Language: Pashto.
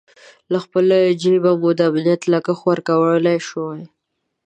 له خپل جېبه مو د امنیت لګښت ورکولای شوای.